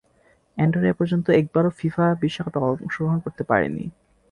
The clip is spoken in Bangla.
অ্যান্ডোরা এপর্যন্ত একবারও ফিফা বিশ্বকাপে অংশগ্রহণ করতে পারেনি।